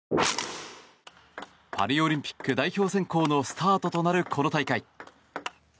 パリオリンピック代表選考のスタートとなるこの大会。